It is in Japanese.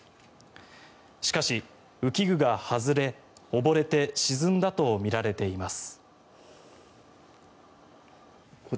しかし、浮き具が外れ溺れて沈んだとみられています。